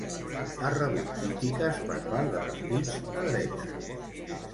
Ha rebut crítiques per part de partits de dretes.